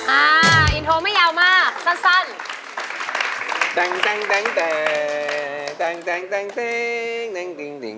อ่าอินโทรไม่ยาวมากสั้นสั้น